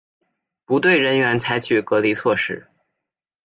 不对人员采取隔离措施